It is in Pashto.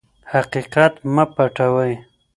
حقیقت مه پټوئ.